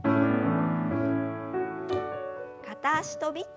片足跳び。